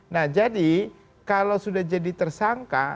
nah jadi kalau sudah jadi tersangka